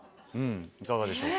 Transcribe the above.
いかがでしょうか？